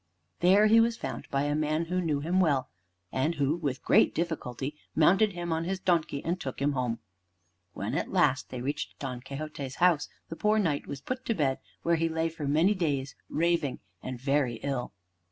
There he was found by a man who knew him well, and who with great difficulty mounted him on his donkey and took him home. When at last they reached Don Quixote's house, the poor Knight was put to bed, where he lay for many days, raving, and very ill.